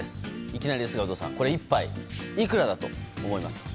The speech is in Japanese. いきなりですが有働さんこれ１杯いくらだと思いますか。